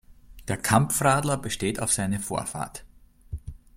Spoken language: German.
Der Kampfradler besteht auf seine Vorfahrt.